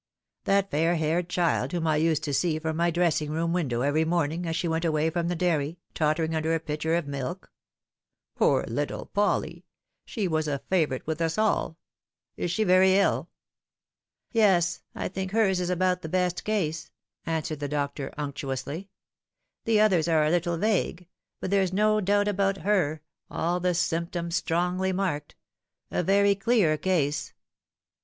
" That fair haired child whom I used to see from my dress ing room window every morning as she went away from the dairy, tottering under a pitcher of milk ? Poor little Polly 1 She was a favourite with us all. Is she very ill ?"" Yes ; I think hers is about the best case," answered the doctor unctuously ;" the others are a little vague ; but there's no doubt about her, all the symptoms strongly marked a very clear case."